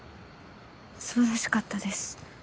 すばらしかったです。